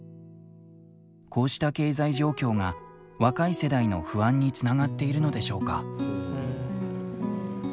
こうした経済状況が若い世代の不安につながっているのでしょうか？